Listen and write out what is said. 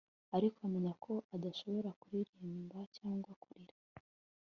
ariko amenye ko adashobora kuririmba cyangwa kurira